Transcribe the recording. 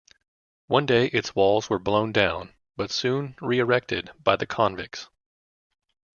One day its walls were blown down, but soon re-erected by the convicts.